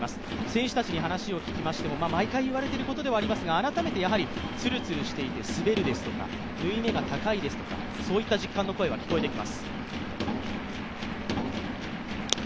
選手たちに話を聞きましても毎回言われていることではありますけど、改めてツルツルしていて滑るですとか、縫い目が高いですとかそういった実感の声は聞こえてきます。